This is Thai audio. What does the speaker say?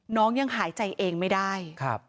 น้องยังหายใจเองไม่ได้